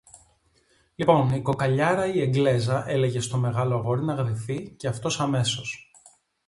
Λοιπόν η κοκαλιάρα η Εγγλέζα έλεγε στο μεγάλο αγόρι να γδυθεί και αυτός αμέσως